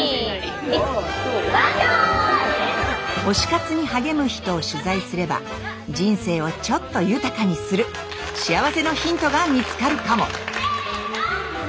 推し活に励む人を取材すれば人生をちょっと豊かにする幸せのヒントが見つかるかも？